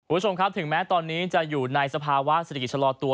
คุณผู้ชมครับถึงแม้ตอนนี้จะอยู่ในสภาวะเศรษฐกิจชะลอตัว